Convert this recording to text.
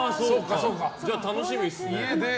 じゃあ、楽しみですね。